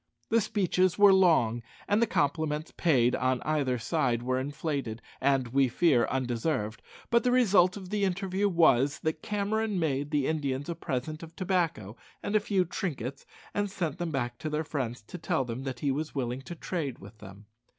The speeches were long, and the compliments paid on either side were inflated, and, we fear, undeserved; but the result of the interview was, that Cameron made the Indians a present of tobacco and a few trinkets, and sent them back to their friends to tell them that he was willing to trade with them.